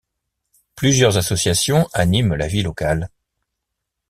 Plusieurs associations animent la vie locale.